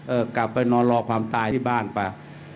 เอ้อกลับนอนลอกความตายที่บ้านไป